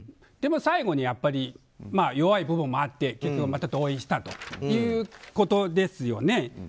でも、最後にやっぱり弱い部分もあってまた同意したということですよね。